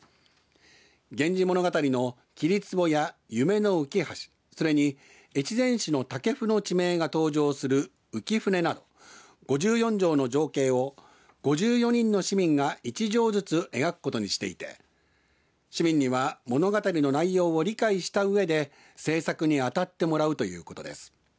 源氏物語の桐壷や夢浮橋それに越前市の武生の地名が登場する浮舟など五十四帖の情景を５４人の市民が一帖ずつ描くことにしていて市民には物語の内容を理解したうえで制作に当たってもらうということです。